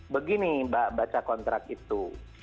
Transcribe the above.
begini mbak baca kontrak itu